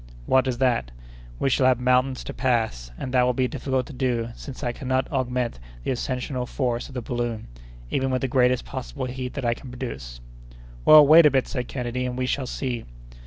"What is that?" "We shall have mountains to pass, and that will be difficult to do, since I cannot augment the ascensional force of the balloon, even with the greatest possible heat that I can produce." "Well, wait a bit," said Kennedy, "and we shall see!"